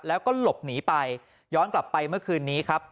แล้วก็หลบหนีไปย้อนกลับไปเมื่อคืนนี้ครับ